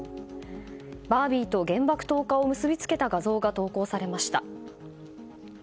バービーと原爆投下を結び付けた画像が投稿されました。